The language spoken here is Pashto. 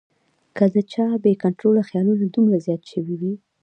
کۀ د چا بې کنټروله خیالونه دومره زيات شوي وي